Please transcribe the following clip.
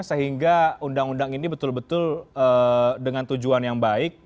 sehingga undang undang ini betul betul dengan tujuan yang baik